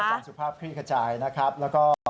แปลวันสุภาพคลี่กระจายนะครับแล้วก็